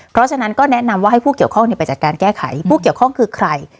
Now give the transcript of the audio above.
เพราะฉะนั้นก็แนะนำว่าให้ผู้เกี่ยวข้องไปจัดการแก้ไขผู้เกี่ยวข้องคือใคร